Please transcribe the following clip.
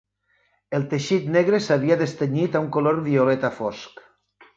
El teixit negre s'havia destenyit a un color violeta fosc.